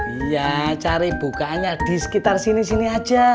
iya cari bukanya di sekitar sini sini aja